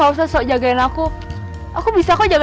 kasian banget kamu